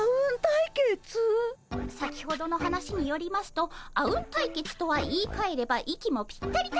先ほどの話によりますとあうん対決とは言いかえれば息もぴったり対決のこと。